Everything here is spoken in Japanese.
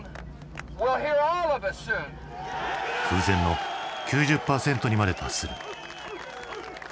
空前の９０％にまで達する。